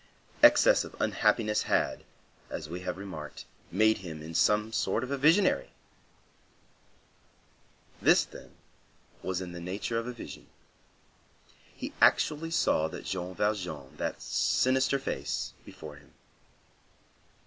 Excess of unhappiness had, as we have remarked, made him in some sort a visionary. This, then, was in the nature of a vision. He actually saw that Jean Valjean, that sinister face, before him.